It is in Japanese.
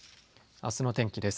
あすの天気です。